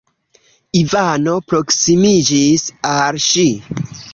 Ivano proksimiĝis al ŝi.